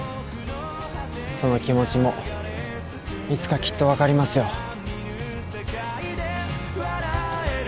その気持ちもいつかきっと分かりますよ。